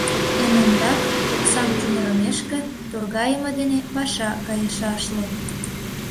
Эн ондак, оксам чумырымешке, торгайыме дене паша кайышашлык.